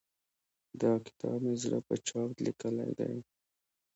دا کتاب مې د زړه په چاود ليکلی دی.